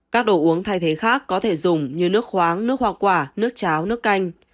các đồ uống thay thế khác có thể dùng như nước khoáng nước hoa quả nước cháo nước canh